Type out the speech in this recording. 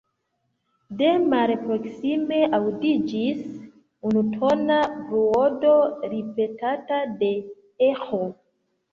De malproksime aŭdiĝis unutona bruado, ripetata de eĥo.